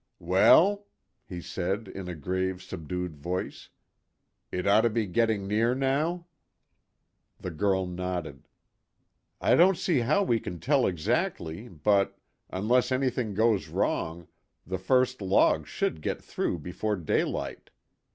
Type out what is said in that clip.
"Well?" he said, in a grave, subdued voice, "it ought to be getting near now?" The girl nodded. "I don't see how we can tell exactly, but unless anything goes wrong the first logs should get through before daylight.